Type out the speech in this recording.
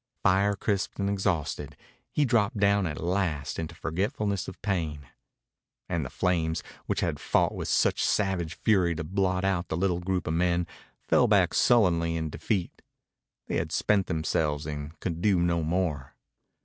Fire crisped and exhausted, he dropped down at last into forgetfulness of pain. And the flames, which had fought with such savage fury to blot out the little group of men, fell back sullenly in defeat. They had spent themselves and could do no more.